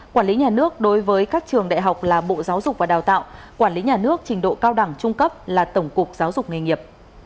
quản lý nhà nước đối với các trường đại học là bộ giáo dục và đào tạo quản lý nhà nước trình độ cao đẳng trung cấp là tổng cục giáo dục nghề nghiệp